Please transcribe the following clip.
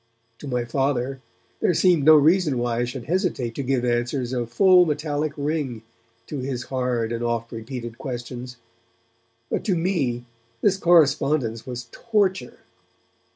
To my Father there seemed no reason why I should hesitate to give answers of full metallic ring to his hard and oft repeated questions; but to me this correspondence was torture.